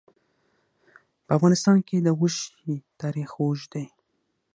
په افغانستان کې د غوښې تاریخ اوږد دی.